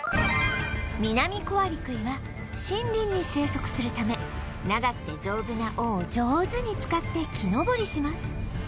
ミナミコアリクイは森林に生息するため長くて丈夫な尾を上手に使って木登りします